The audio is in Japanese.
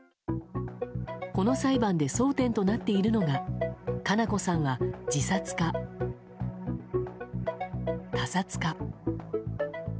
この裁判で争点となっているのが佳菜子さんは自殺か、他殺か。